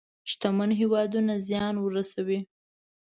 شتمن هېوادونه زيان ورسوي.